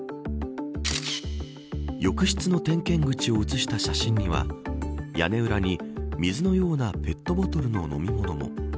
浴室の点検口を映した写真には屋根裏に水のようなペットボトルの飲み物も。